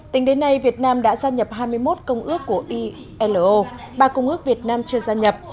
tính đến nay việt nam đã gia nhập hai mươi một công ước của ilo ba công ước việt nam chưa gia nhập